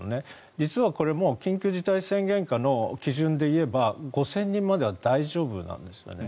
実はこれもう、緊急事態宣言下の基準でいえば５０００人までは大丈夫なんですよね。